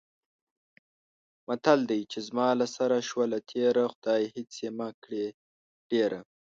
متل دی: چې زما له سره شوله تېره، خدایه هېڅ یې مه کړې ډېره.